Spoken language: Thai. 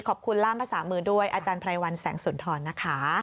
ล่ามภาษามือด้วยอาจารย์ไพรวัลแสงสุนทรนะคะ